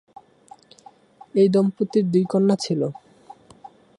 এ দম্পতির দুই কন্যা ছিল।